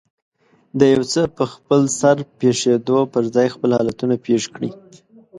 د يو څه په خپلسر پېښېدو پر ځای خپل حالتونه پېښ کړي.